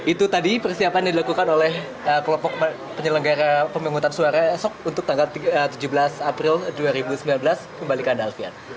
itu tadi persiapan yang dilakukan oleh kelompok penyelenggara pemenguntan suara esok untuk tanggal tujuh belas april dua ribu sembilan belas kembalikan alvian